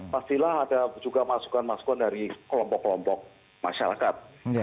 pastilah ada juga masukan masukan dari kelompok kelompok masyarakat